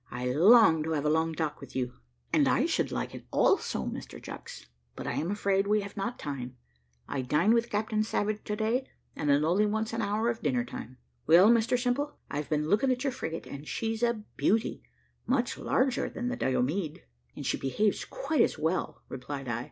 I long to have a long talk with you." "And I should like it also, Mr Chucks, but I am afraid we have not time; I dine with Captain Savage to day, and it only wants an hour of dinner time." "Well, Mr Simple, I've been looking at your frigate, and she's a beauty much larger than the Diomede." "And she behaves quite as well," replied I.